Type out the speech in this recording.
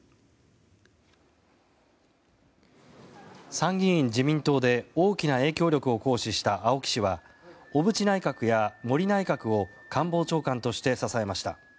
参議院・自民党で大きな影響力を行使した青木氏は小渕内閣や森内閣を官房長官として支えました。